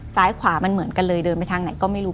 ซ้ายขวามันเหมือนกันเลยเดินไปทางไหนก็ไม่รู้